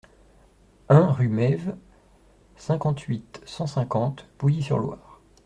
un rue Mesves, cinquante-huit, cent cinquante, Pouilly-sur-Loire